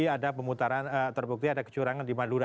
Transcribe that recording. ada pemutaran terbukti ada kecurangan di madura